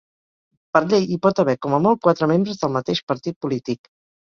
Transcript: Per llei, hi pot haver com a molt quatre membres del mateix partit polític.